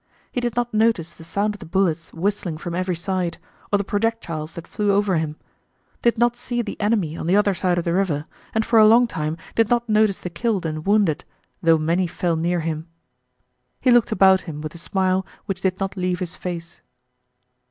He did not notice the sound of the bullets whistling from every side, or the projectiles that flew over him, did not see the enemy on the other side of the river, and for a long time did not notice the killed and wounded, though many fell near him. He looked about him with a smile which did not leave his face.